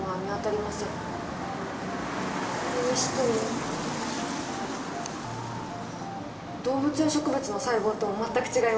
それにしても動物や植物の細胞とも全く違います。